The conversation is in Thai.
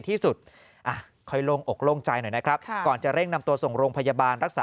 ที่สุดอ่ะค่อยโล่งอกโล่งใจหน่อยนะครับก่อนจะเร่งนำตัวส่งโรงพยาบาลรักษา